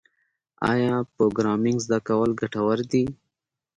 آیا پروګرامینګ زده کول ګټور دي؟